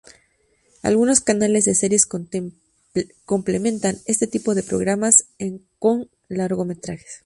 Algunos canales de series complementan ese tipo de programas con largometrajes.